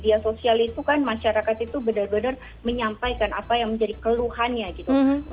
media sosial itu kan masyarakat itu benar benar menyampaikan apa yang menjadi keluhannya gitu